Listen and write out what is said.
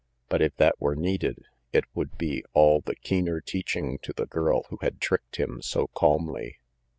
But if that were needed, it would be all the keener teaching to the girl who had tricked him so calmly.